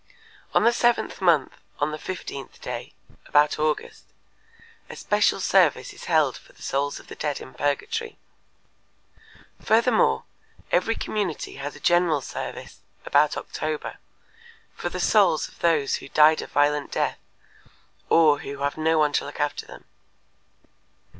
On the the seventh month, on the fifteenth day [about August] a special service is held for the souls of the dead in purgatory. Furthermore, every community has a general service [about October] for the souls of those who died a violent death or who have no one to look after them.